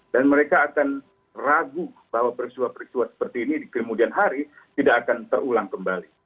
dan mereka akan ragu bahwa perisua perisua seperti ini di kemudian hari tidak akan terulang kembali